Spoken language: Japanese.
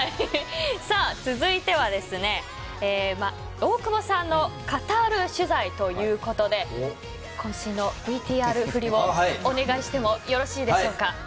続いては大久保さんのカタール取材ということで渾身のＶＴＲ振りをお願いしてもよろしいでしょうか。